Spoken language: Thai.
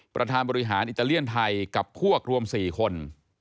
ประธานบริหารอิตาเลียนไทยกับพวกรวม๔คน